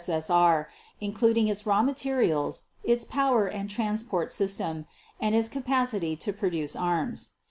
S.S.R., including its raw materials, its power and transport system, and its capacity to produce arms.